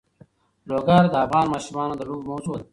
لوگر د افغان ماشومانو د لوبو موضوع ده.